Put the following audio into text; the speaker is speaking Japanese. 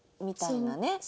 みたいなね。